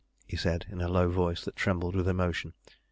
he said, in a low voice that trembled with emotion.